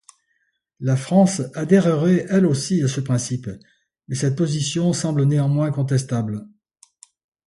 La France adhérerait elle aussi à ce principe mais cette position semble néanmoins contestable.